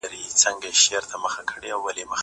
زه به سیر کړی وي؟!